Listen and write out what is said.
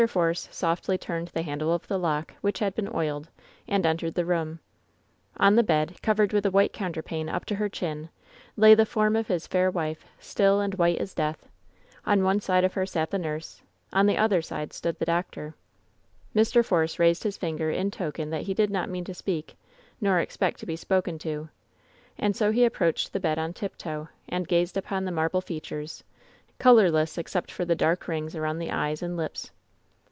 Force softly turned the handle of the lock, which had been oiled, and entered the room. WHEN SHADOWS DIE 11» On the bed, covered with a white counterpane up to her chin, lay the form of his fair wife, still and white as death. On one side of her sat the nurse; on the other side stood the doctor. Mr. Force raised his finger in token that he did not mean to speak, nor expect to be spoken to, and so he ap proached the bed on tiptoe, and gazed upon the marble features, colorless except for the dark rings around the eyes and lips.